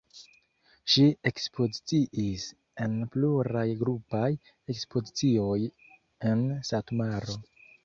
Ŝi ekspoziciis en pluraj grupaj ekspozicioj en Satmaro.